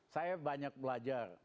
saya banyak belajar